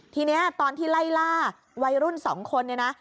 ทีนี้ตอนที่ไล่ล่าวัยรุ่น๒คน